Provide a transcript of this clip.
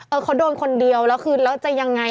เขาโดนคนเดียวแล้วคือแล้วจะยังไง